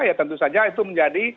ya tentu saja itu menjadi